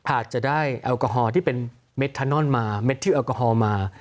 อาจจะได้แอลกอฮอลที่เป็นเมทานอนมาเม็ดที่แอลกอฮอล์มา